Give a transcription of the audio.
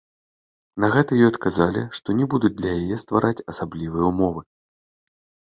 На гэта ёй адказалі, што не будуць для яе ствараць асаблівыя ўмовы.